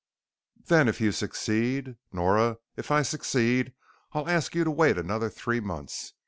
"Then if you succeed?" "Nora, if I succeed, I'll ask you to wait another three months.